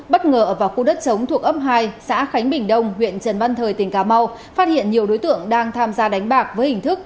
bất ngờ ở vào khu đất chống thuộc ấp hai xã khánh bình đông huyện trần văn thời tỉnh cà mau phát hiện nhiều đối tượng đang tham gia đánh bạc với hình thức